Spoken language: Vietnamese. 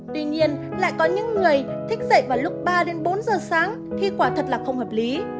tuy nhiên lại có những người thích dậy vào lúc ba bốn giờ sáng khi quả thật là không hợp lý